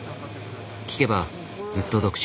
聞けばずっと独身。